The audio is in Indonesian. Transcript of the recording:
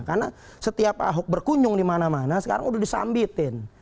karena setiap ahok berkunjung di mana mana sekarang sudah disambitin